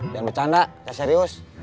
jangan bercanda saya serius